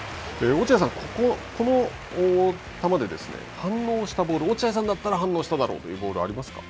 落合さん、この球で反応したボール、落合さんだったら反応しただろうというボールはありますか。